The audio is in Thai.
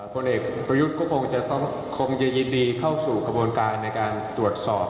พลเอกประยุทธ์ก็คงจะต้องคงจะยินดีเข้าสู่กระบวนการในการตรวจสอบ